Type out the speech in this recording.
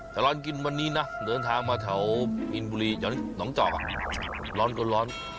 ประรณกินวันนี้นะเดินทางมาแถวอินบุรีอย่างนี้หนูน้องจอกล้อนก็ล้อน